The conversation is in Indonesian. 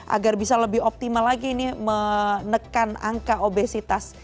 agar bisa lebih optimal lagi ini menekan angka obesitas